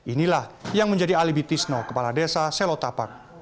inilah yang menjadi alibi tisno kepala desa selotapak